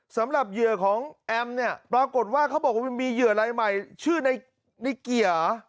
สำหรับเหยื่อของแอมปรากฏว่าเขาบอกว่ามีเหยื่ออะไรใหม่ชื่อไนเกียร์